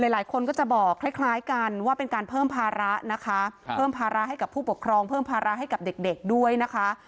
หลายคนก็จะบอกคล้ายกันว่าเป็นการเพิ่มภาระนะคะเพิ่มภาระให้กับผู้ปกครองเพิ่มภาระให้กับเด็กด้วยนะคะ